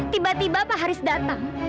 tiba tiba pak haris datang